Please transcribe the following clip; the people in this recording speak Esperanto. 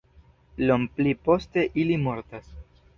Iom pli poste ili mortas.